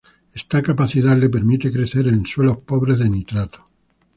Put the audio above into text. Esta capacidad le permite crecer en suelos pobres de nitrato.